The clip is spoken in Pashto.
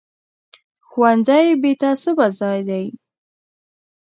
ښوونځی بې تعصبه ځای دی